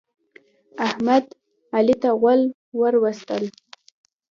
احمد، علي ته غول ور وستل.